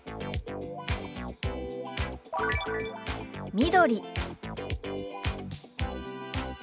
「緑」。